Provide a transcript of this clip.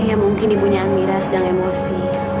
ya mungkin ibunya amira sedang emosi